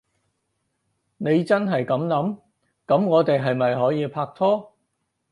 你真係噉諗？噉我哋係咪可以拍拖？